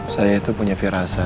saya itu punya firasa